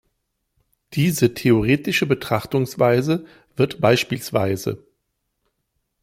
Diese theoretische Betrachtungsweise wird bspw.